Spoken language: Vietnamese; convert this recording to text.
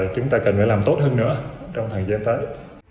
chúng ta cần phải làm tốt hơn nữa trong thời gian tới